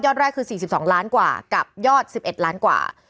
แรกคือ๔๒ล้านกว่ากับยอด๑๑ล้านกว่า